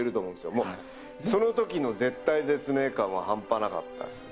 もう、そのときの絶体絶命感は半端なかったですね。